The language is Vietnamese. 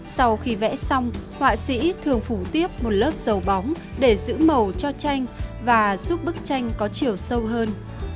sau khi vẽ xong họa sĩ thường phủ tiếp một lớp dầu bóng để giữ màu cho tranh và giúp bức tranh có chiều sâu hơn